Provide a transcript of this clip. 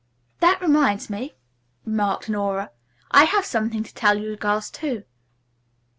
"That reminds me," remarked Nora, "I have something to tell you girls too."